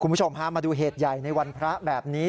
คุณผู้ชมพามาดูเหตุใหญ่ในวันพระแบบนี้